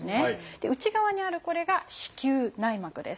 内側にあるこれが「子宮内膜」です。